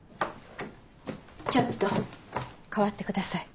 ちょっと代わってください。